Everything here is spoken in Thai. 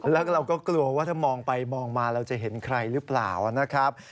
แล้วก็เราก็กลัวว่าถ้ามองไปมองมาเราจะเห็นใครหรือเปล่านะครับ